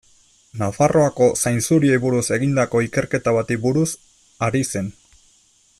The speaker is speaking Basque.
Nafarroako zainzuriei buruz egindako ikerketa bati buruz ari zen.